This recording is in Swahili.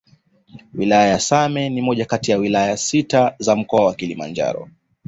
Wilaya ya Same ni moja kati ya Wilaya sita za mkoa wa Kilimanjaro